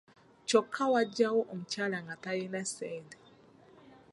Kyokka wajjawo omukyala nga talina ssente.